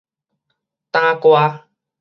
打歌